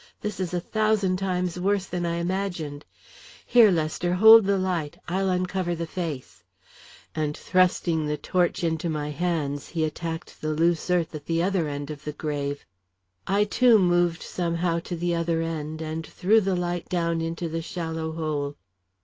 This is a thousand times worse than I imagined! Here, Lester, hold the light. I'll uncover the face," and thrusting the torch into my hands, he attacked the loose earth at the other end of the grave. I, too, moved somehow to the other end, and threw the light down into the shallow hole.